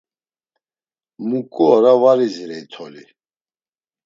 Muǩu ora var izirey toli.